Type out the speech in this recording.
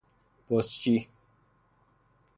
پستچی